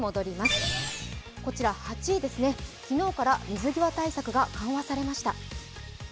８位ですね、昨日から水際対策が緩和されました。